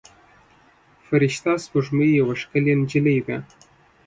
فرشته سپوږمۍ یوه ښکلې نجلۍ ده.